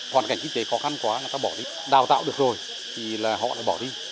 hoàn cảnh kinh tế khó khăn quá người ta bỏ đi đào tạo được rồi thì là họ lại bỏ đi